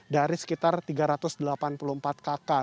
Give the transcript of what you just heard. dari sekitar tiga ratus delapan puluh empat kakak